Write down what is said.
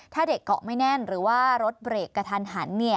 ถ้าเด็กเกาะไม่แน่นหรือว่ารถเบรกกระทันหัน